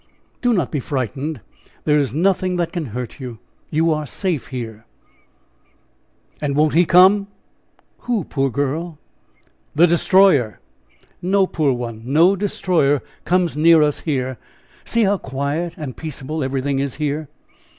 "Do not be frightened; there is nothing that can hurt you; you are safe here." "And won't he come?" "Who, poor girl?" "The Destroyer!" "No, poor one, no destroyer comes near us here; see how quiet and peaceable everything is here!"